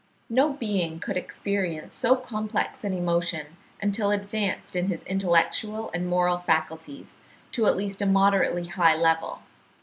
No being could experience so complex an emotion until advanced in his intellectual and moral faculties to at least a moderately high level.